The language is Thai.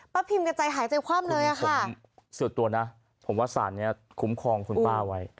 ป้าพิมพ์ก็ใจหายใจความเลยอ่ะค่ะคุณผมสื่อตัวนะผมว่าสารเนี้ยคุ้มครองคุณป้าเอาไว้